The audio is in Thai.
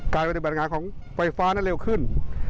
การบริบัติงานของไฟฟ้าน่ะเร็วขึ้น